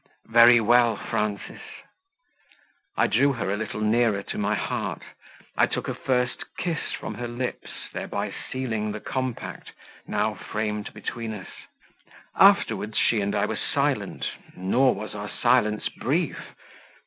"Very well, Frances." I drew her a little nearer to my heart; I took a first kiss from her lips, thereby sealing the compact, now framed between us; afterwards she and I were silent, nor was our silence brief.